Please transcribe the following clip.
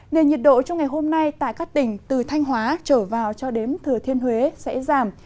nền nhiệt độ trong ngày hôm nay tại các tỉnh từ thanh hóa trở vào cho đến thừa thiên huế sẽ giảm